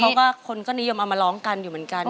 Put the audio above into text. เพราะว่าคนก็นิยมเอามาร้องกันอยู่เหมือนกัน